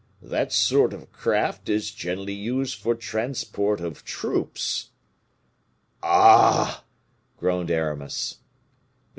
That sort of craft is generally used for transport of troops." "Ah!" groaned Aramis.